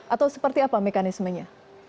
atau seperti apa mekanismenya